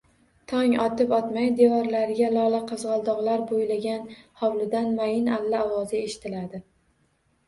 Tong otib-otmay, devorlariga lolaqizg`aldoqlar bo`ylagan hovlidan mayin alla ovozi eshitiladi